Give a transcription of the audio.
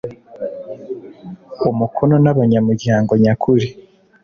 Umukono n abanyamuryango nyakuri